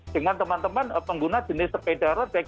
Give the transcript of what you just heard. dengan teman teman pengguna jenis sepeda road bike